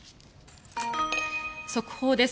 速報です。